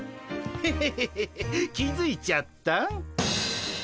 ヘヘヘヘヘッ気付いちゃった？